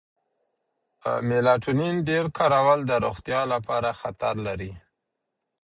میلاټونین ډېر کارول د روغتیا لپاره خطر لري.